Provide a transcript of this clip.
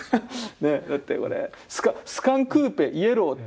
「スカンクーぺイエロー」。